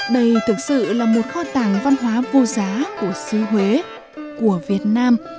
đây thực sự là một kho tàng văn hóa vô giá của xứ huế của việt nam